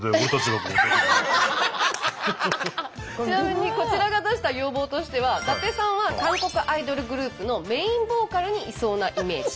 ちなみにこちらが出した要望としては伊達さんは韓国アイドルグループのメインボーカルにいそうなイメージ。